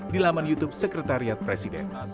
di laman youtube sekretariat presiden